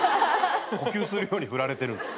呼吸するように振られてるんですか？